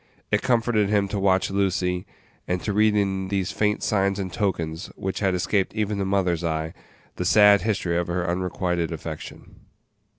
It comforted him to watch Lucy, and to read in these faint signs and tokens, which had escaped even a mother's eye, the sad history of her unrequited affection.